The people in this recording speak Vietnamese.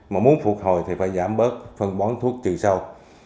mà muốn phục hồi thì phải giảm bớt phân bón thuốc trừ sâu